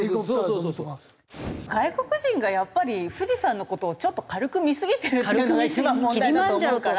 外国人がやっぱり富士山の事をちょっと軽く見すぎてるっていうのが一番問題だと思うから。